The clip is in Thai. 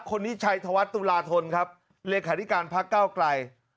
คนนี้ชัยธวัฒน์ตุลาธนครับเลขาธิการพักเก้าไกล